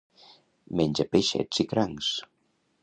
Menja peixets i crancs.